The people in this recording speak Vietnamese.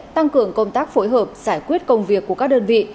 tăng cường công tác phối hợp giải quyết công việc của các đơn vị